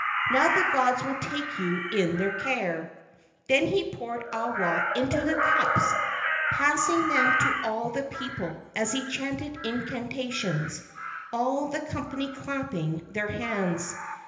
Now the gods will take you in their care." Then he poured awa into cups, passing them to all the people as he chanted incantations, all the company clapping their hands.